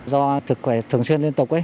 do thực khỏe thường xuyên liên tục